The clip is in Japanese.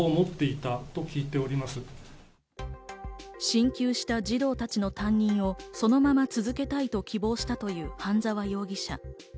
進級した児童たちの担任をそのまま続けたいと希望したという半沢容疑者。